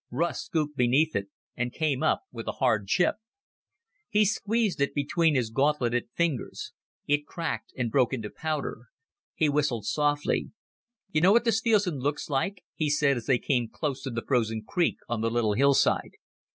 Russ scooped beneath it and came up with a hard chip. He squeezed it between his gauntleted fingers. It cracked and broke into powder. He whistled softly. "You know what this feels and looks like?" he said as they came close to the frozen creek on the little hillside.